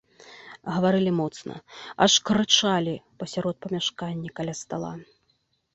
Гаварылі моцна, аж крычалі пасярод памяшкання каля стала.